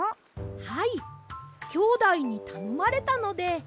はいきょうだいにたのまれたので。